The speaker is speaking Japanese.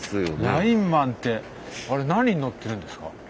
ラインマンってあれ何に乗ってるんですか？